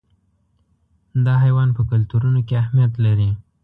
دا حیوان په کلتورونو کې اهمیت لري.